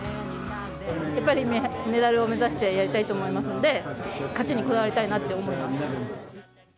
やっぱりメダルを目指してやりたいと思いますので、勝ちにこだわりたいなって思います。